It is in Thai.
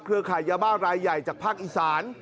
เครื่องข่ายบ้าลายใหญ่จากพอิสาน